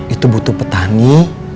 itu butuh petani